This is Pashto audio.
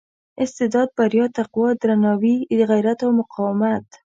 استعداد بریا تقوا درناوي غیرت او مقاومت.